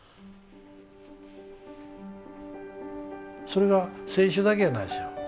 それが選手だけやないですよ。